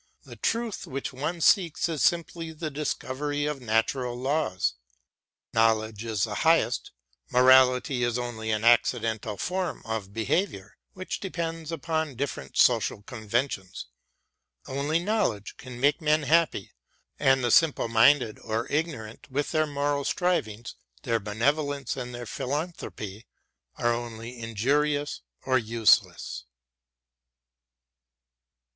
The truth which one seeks is simply the discovery of natural laws. Knowledge is the highest, morality is only an accidental form of behaviour, which depends upon different social conventions. Only knowledge can make men happy, and the simple minded or ignorant with their moral strivings, their benevolence and their philanthropy are only injurious or useless.